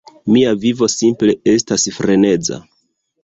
Mia vivo simple estas freneza